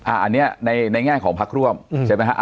อ่าอันเนี้ยในในแง่ของพักร่วมอืมเสร็จไหมฮะ